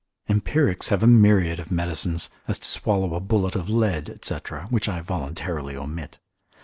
Empirics have a myriad of medicines, as to swallow a bullet of lead, &c., which I voluntarily omit.